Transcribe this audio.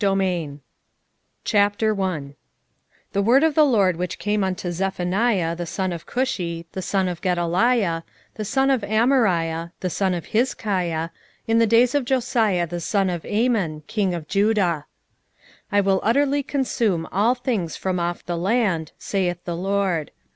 Zephaniah 1:1 The word of the LORD which came unto Zephaniah the son of Cushi, the son of Gedaliah, the son of Amariah, the son of Hizkiah, in the days of Josiah the son of Amon, king of Judah. 1:2 I will utterly consume all things from off the land, saith the LORD.